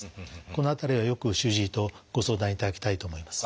この辺りはよく主治医とご相談いただきたいと思います。